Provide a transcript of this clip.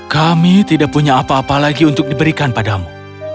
kami tidak punya apa apa lagi untuk diberikan padamu